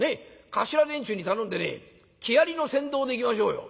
頭連中に頼んでね木遣りの先導で行きましょうよ。